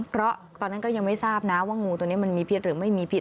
เพราะตอนนั้นก็ยังไม่ทราบนะว่างูตัวนี้มันมีพิษหรือไม่มีพิษ